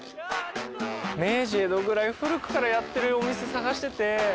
明治江戸ぐらい古くからやってるお店探してて。